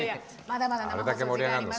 あれだけ盛り上がって。